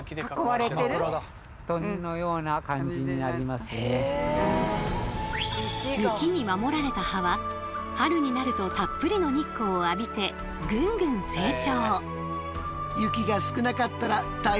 寒い風が雪に守られた葉は春になるとたっぷりの日光を浴びてぐんぐん成長。